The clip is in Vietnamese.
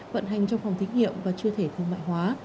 vận hành trong phòng thí nghiệm và chưa thể thương mại hóa